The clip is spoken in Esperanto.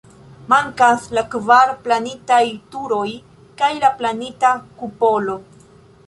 Mankas la kvar planitaj turoj kaj la planita kupolo.